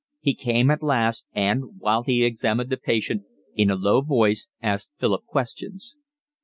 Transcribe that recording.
He came at last, and, while he examined the patient, in a low voice asked Philip questions.